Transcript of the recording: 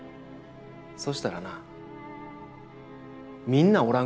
そしたらなみんなおらん